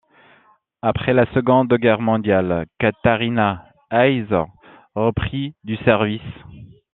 Après la Seconde Guerre mondiale, Katharina Heise reprit du service.